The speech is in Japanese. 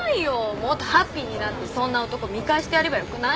もっとハッピーになってそんな男見返してやればよくない？